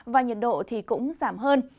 và nhiệt độ cũng giảm hơn